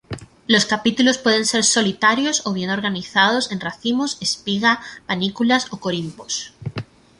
Los capítulos pueden ser solitarios o bien organizados en racimos, espiga, panículas o corimbos.